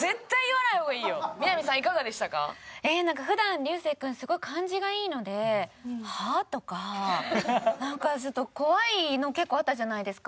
なんか普段流星君すごい感じがいいので「は？」とかなんかちょっと怖いの結構あったじゃないですか。